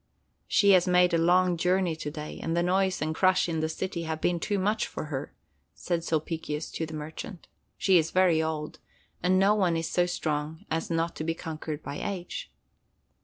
"She has made a long journey to day, and the noise and crush in the city have been too much for her," said Sulpicius to the merchant. "She is very old, and no one is so strong as not to be conquered by age."